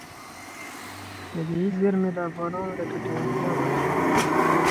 طبیعي زیرمې د افغانانو د ګټورتیا برخه ده.